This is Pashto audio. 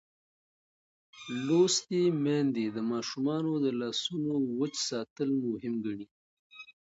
لوستې میندې د ماشومانو د لاسونو وچ ساتل مهم ګڼي.